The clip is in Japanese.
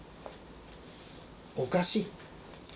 おかしい。